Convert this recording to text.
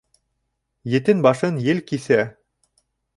Етен башын ел киҫә